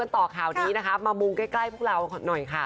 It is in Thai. ต่อข่าวนี้นะคะมามุงใกล้พวกเราหน่อยค่ะ